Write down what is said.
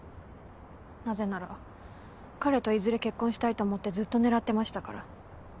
なぜなら彼といずれ結婚したいと思ってずっと狙ってましたから。